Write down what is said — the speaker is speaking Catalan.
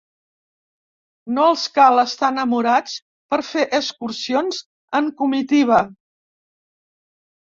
No els cal estar enamorats per fer excursions en comitiva.